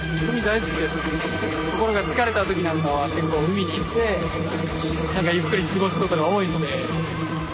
心が疲れた時なんかは結構海に行ってゆっくり過ごすことが多いので。